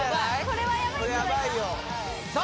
これやばいよさあ